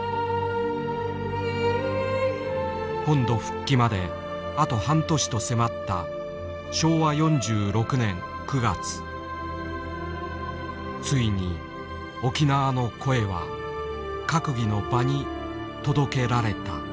本土復帰まであと半年と迫ったついに沖縄の声は閣議の場に届けられた。